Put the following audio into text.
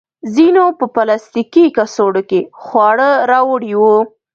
ځینو په پلاستیکي کڅوړو کې خواړه راوړي وو.